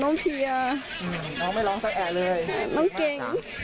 น้องไม่ร้องศักดิ์แอเลยน้องเก่ง